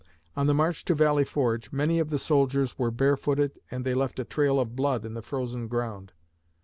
On the march to Valley Forge, many of the soldiers were barefooted and they left a trail of blood on the frozen ground.